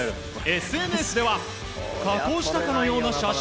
ＳＮＳでは加工したかのような写真。